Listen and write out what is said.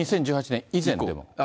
２０１８年以前も？